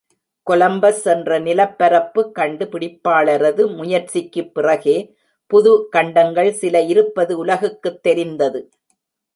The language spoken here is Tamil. கொலம்பஸ் என்ற நிலப்பரப்பு கண்டு பிடிப்பாளரது முயற்சிக்குப்பிறகே புது கண்டங்கள் சில இருப்பது உலகுக்குத் தெரிந்தது.